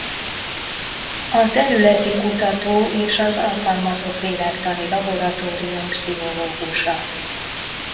A Területi Kutató és az Alkalmazott Lélektani Laboratórium pszichológusa.